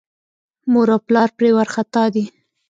مور او پلار یې پرې وارخطا دي.